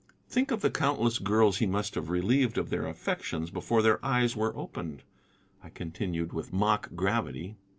"Think of the countless girls he must have relieved of their affections before their eyes were opened," I continued with mock gravity.